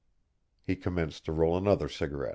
He commenced to roll another cigarette.